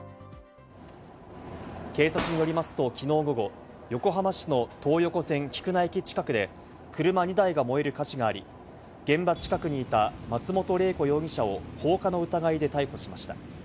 警察によりますと、昨日午後横浜市の東横線菊名駅近くで車２台が燃える火事があり、現場近くにいた松本玲子容疑者を放火の疑いで逮捕しました。